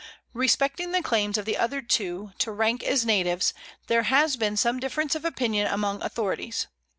Respecting the claims of the other two to rank as natives, there has been some difference of opinion among authorities.